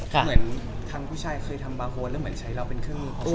เหมือนทั้งผู้ชายเคยทำบาโค้ดแล้วเหมือนใช้เราเป็นเครื่องมือ